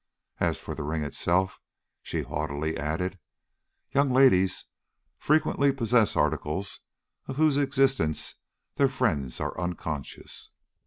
As for the ring itself," she haughtily added, "young ladies frequently possess articles of whose existence their friends are unconscious."